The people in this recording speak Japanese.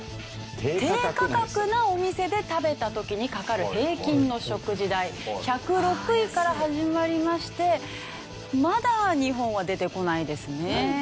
低価格なお店で食べた時にかかる平均の食事代１０６位から始まりましてまだ日本は出てこないですね。